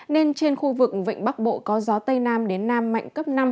nên trên khu vực vịnh bắc bộ có gió tây nam đến nam mạnh cấp năm